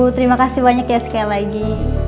terima kasih banyak ya sekali lagi